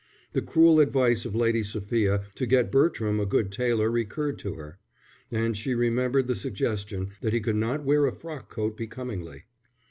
The cruel advice of Lady Sophia to get Bertram a good tailor recurred to her, and she remembered the suggestion that he could not wear a frock coat becomingly.